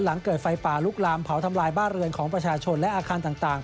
หลังเกิดไฟป่าลุกลามเผาทำลายบ้านเรือนของประชาชนและอาคารต่าง